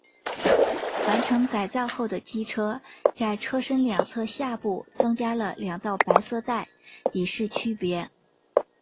完成改造后的机车在车身两侧下部增加了两道白色带以示区别。